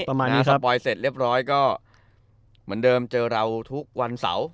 ประมาณนี้สปอยเสร็จเรียบร้อยก็เหมือนเดิมเจอเราทุกวันเสาร์